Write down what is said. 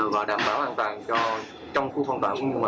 và đảm bảo an toàn cho trong khu phân tỏa